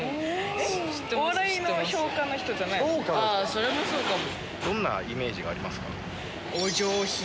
それもそうかも。